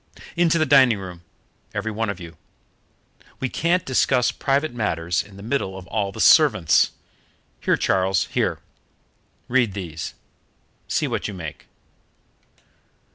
"Into the dining room, every one of you. We can't discuss private matters in the middle of all the servants. Here, Charles, here; read these. See what you make."